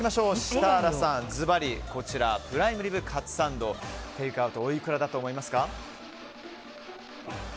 設楽さん、ずばりプライムリブカツサンドテイクアウトはおいくらだと思いますか？